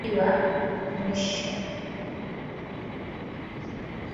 kuzikwa na kufukiwa kwenye shimo refu au kuchomwa kwa moto